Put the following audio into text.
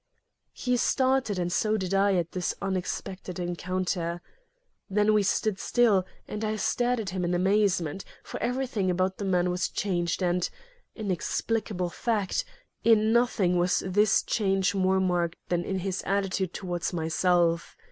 He started and so did I at this unexpected encounter. Then we stood still, and I stared at him in amazement, for everything about the man was changed, and inexplicable fact! in nothing was this change more marked than in his attitude toward myself.